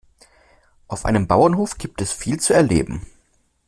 Auf einem Bauernhof gibt es viel zu erleben.